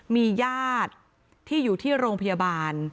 มีญาติที่อยู่ที่โรงพยาบาล